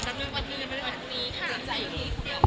แล้วทีมงานได้ยินราว